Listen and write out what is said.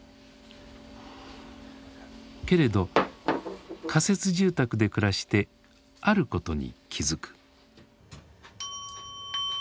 けれど仮設住宅で暮らしてあることに気付く。